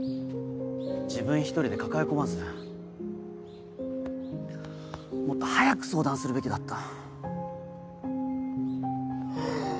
自分一人で抱え込まずもっと早く相談するべきだった。